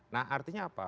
nah artinya apa